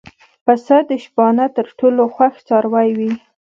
پسه د شپانه تر ټولو خوښ څاروی وي.